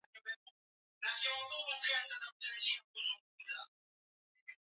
sawa na asilimia thelathini na sita na Kilomita za mraba